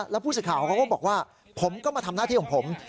แล้วผู้สื่อข่าวเขาก็บอกว่าผมก็มาทำหน้าที่ของผม